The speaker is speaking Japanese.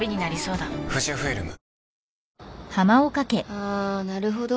あなるほど。